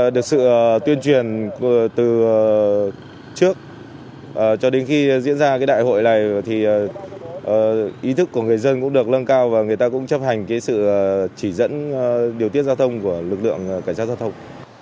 được sự tuyên truyền từ trước cho đến khi diễn ra đại hội này thì ý thức của người dân cũng được lân cao và người ta cũng chấp hành sự chỉ dẫn điều tiết giao thông của lực lượng cảnh sát giao thông